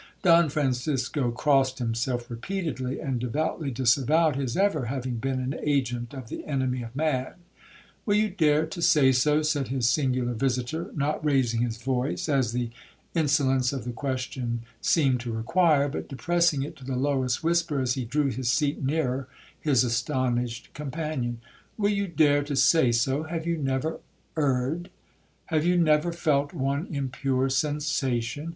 Don Francisco crossed himself repeatedly, and devoutly disavowed his ever having been an agent of the enemy of man. 'Will you dare to say so?' said his singular visitor, not raising his voice as the insolence of the question seemed to require, but depressing it to the lowest whisper as he drew his seat nearer his astonished companion—'Will you dare to say so?—Have you never erred?—Have you never felt one impure sensation?